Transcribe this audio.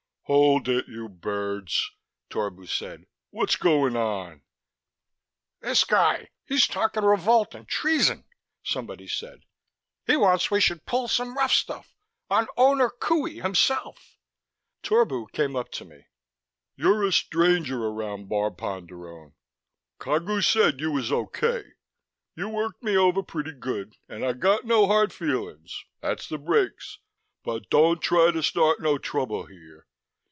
"Hold it, you birds," Torbu said. "What's goin' on?" "This guy! He's talkin' revolt and treason," somebody said. "He wants we should pull some rough stuff on Owner Qohey hisself." Torbu came up to me. "You're a stranger around Bar Ponderone. Cagu said you was okay. You worked me over pretty good ... and I got no hard feelin's; that's the breaks. But don't try to start no trouble here.